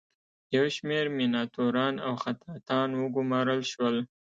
یو شمیر میناتوران او خطاطان وګومارل شول.